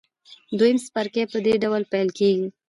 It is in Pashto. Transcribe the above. دویم څپرکی په دې ډول پیل کیږي.